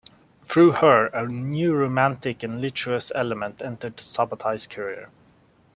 Through her a new romantic and licentious element entered Sabbatai's career.